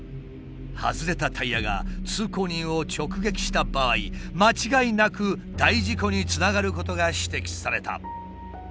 外れたタイヤが通行人を直撃した場合間違いなく大事故につながることが指摘された。